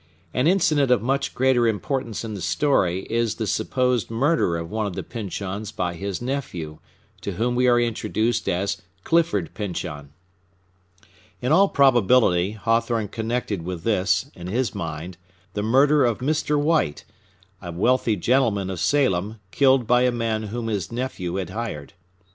An incident of much greater importance in the story is the supposed murder of one of the Pyncheons by his nephew, to whom we are introduced as Clifford Pyncheon. In all probability Hawthorne connected with this, in his mind, the murder of Mr. White, a wealthy gentleman of Salem, killed by a man whom his nephew had hired.